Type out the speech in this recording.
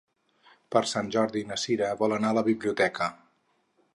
Per Sant Jordi na Cira vol anar a la biblioteca.